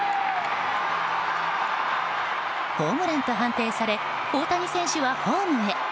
ホームランと判定され大谷選手はホームへ。